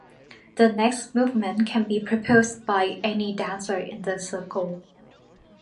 The next movement can be proposed by any dancer in the circle.